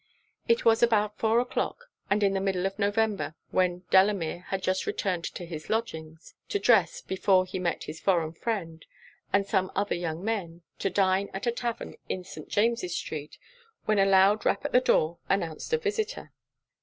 It was about four o'clock, and in the middle of November, when Delamere had just returned to his lodgings, to dress before he met his foreign friend, and some other young men, to dine at a tavern in St. James's street, when a loud rap at the door announced a visitor.